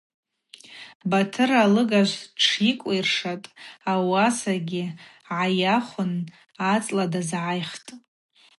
Батыр алыгажв тшйыкӏвйыршатӏ, ауасагьи гӏайахвын ацӏла дазгӏайхтӏ.